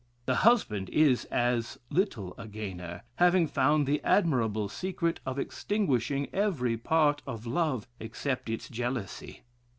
The husband is as little a gainer, having found the admirable secret of extinguishing every part of love, except its jealousy.